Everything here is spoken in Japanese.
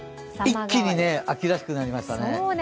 一気に秋らしくなりましたね。